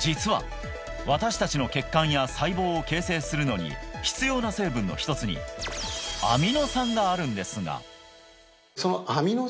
実は私達の血管や細胞を形成するのに必要な成分の一つにアミノ酸があるんですが海譴